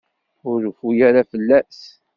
Ur reffu ara fell-as.